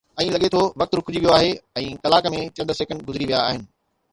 ۽ لڳي ٿو وقت رڪجي ويو آهي ۽ ڪلاڪ ۾ چند سيڪنڊ گذري ويا آهن